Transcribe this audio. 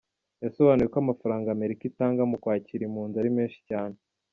Yasobanuye ko amafaranga Amerika itanga mu kwakira impunzi ari menshi cyane.